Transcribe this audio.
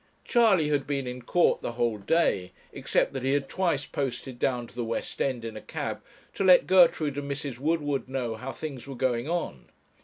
Charley had been in court the whole day, except that he had twice posted down to the West End in a cab to let Gertrude and Mrs. Woodward know how things were going on.